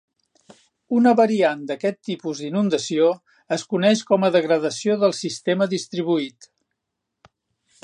Una variant d'aquest tipus d'inundació es coneix com a degradació del sistema distribuït.